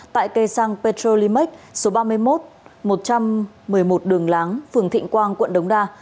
tại cây xăng petrolimax số ba mươi một một trăm một mươi một đường láng phường thịnh quang quận đống đa